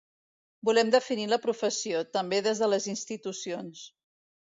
Volem definir la professió, també des de les institucions.